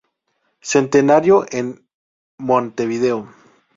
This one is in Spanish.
Centenario, en Montevideo.